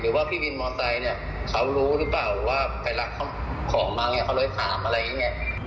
หรือว่าพี่วินมอเตอร์ไซค์เนี่ยเขารู้หรือเปล่าว่าใครรักเขาของมั้งเนี่ยเขาเลยถามอะไรอย่างเงี้ย